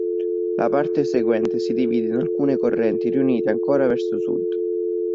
La parte seguente si divide in alcune correnti riunite ancora verso sud.